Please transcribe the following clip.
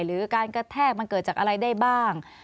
หรือการกระแทกมันเกิดจากอะไรได้บ้าง